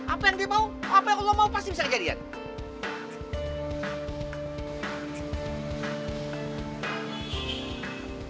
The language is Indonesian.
apa yang gue mau apa yang gue mau pasti bisa kejadian